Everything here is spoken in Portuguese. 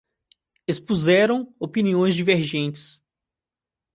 Expuseram opiniões divergentes